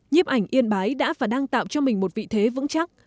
nhiếp ảnh yên bái đã và đang tạo cho mình một vị thế vững chắc